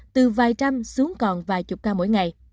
từ vài trăm xuống còn vài chục ca mỗi ngày